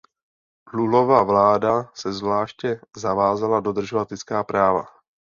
Lulova vláda se zvláště zavázala dodržovat lidská práva.